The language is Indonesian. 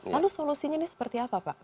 lalu solusinya ini seperti apa pak